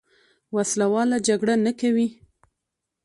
وسله واله جګړه نه کوي.